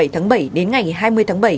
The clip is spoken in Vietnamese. tháng bảy đến ngày hai mươi tháng bảy